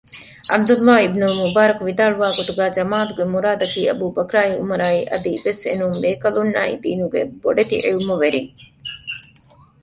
ޢަބްދުﷲ އިބްނުލްމުބާރަކު ވިދާޅުވާ ގޮތުގައި ޖަމާޢަތުގެ މުރާދަކީ އަބޫބަކްރާއި ޢުމަރާއި އަދިވެސް އެނޫން ބޭކަލުންނާއި ދީނުގެ ބޮޑެތި ޢިލްމުވެރިން